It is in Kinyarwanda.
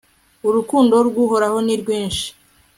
urukundo rw'uhoraho ni rwinshi